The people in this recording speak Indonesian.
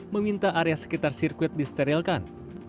meminta area sekitar sirkuit disterilkan